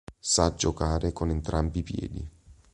Sa giocare con entrambi i piedi.